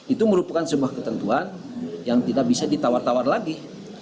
itu merupakan sebuah ketentuan yang tidak bisa ditawar tawar lagi